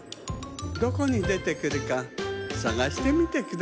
どこにでてくるかさがしてみてくださいね。